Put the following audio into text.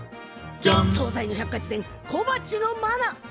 そうざいの百科事典小鉢のマナ！